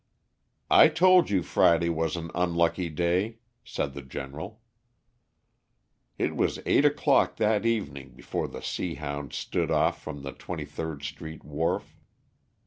"I told you Friday was an unlucky day," said the General. It was eight o'clock that evening before the Seahound stood off from the Twenty third Street wharf.